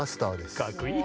かっこいい！